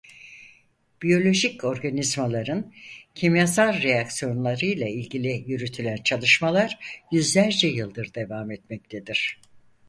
Biyolojik organizmaların kimyasal reaksiyonlarıyla ilgili yürütülen çalışmalar yüzlerce yıldır devam etmektedir.